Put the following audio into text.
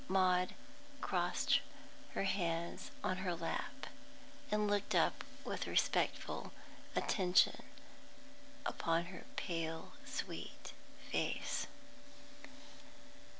Maud crossed her hands on her lap, and looked up with respectful attention upon her pale sweet little face.